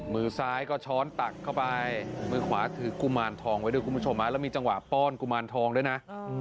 มือซ้ายก็ช้อนตักเข้าไปมือขวาถือกุมารทองไว้ด้วยคุณผู้ชมแล้วมีจังหวะป้อนกุมารทองด้วยนะ